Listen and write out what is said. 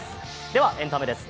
ではエンタメです。